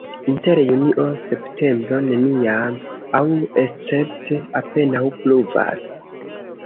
Inter junio-septembro neniam aŭ escepte apenaŭ pluvas.